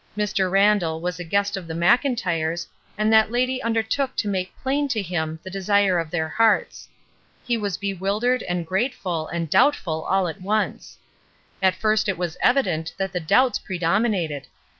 Mr. Randall was the guest of the Mclntyres, and that lady undertook to make plain to him the desire of their hearts. He was bewildered and grateful and doubtful all at once. At first it was evi dent that the doubts predominated.